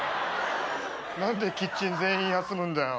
何でキッチン全員休むんだよ。